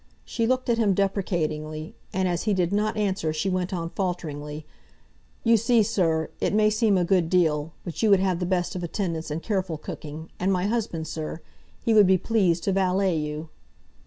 She looked at him deprecatingly, and as he did not answer she went on falteringly, "You see, sir, it may seem a good deal, but you would have the best of attendance and careful cooking—and my husband, sir—he would be pleased to valet you."